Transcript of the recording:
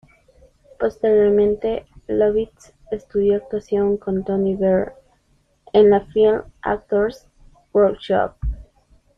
Posteriormente, Lovitz estudió actuación con Tony Barr en la Film Actors Workshop.